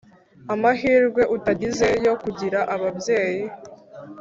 amahirwe utagize yo kugira ababyeyi